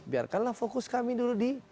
biarkan lah fokus kami dulu di